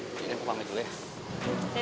jadi aku pamit dulu ya